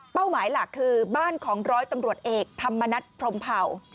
หมายหลักคือบ้านของร้อยตำรวจเอกธรรมนัฐพรมเผ่า